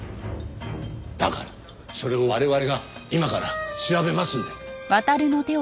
だからそれを我々が今から調べますんで。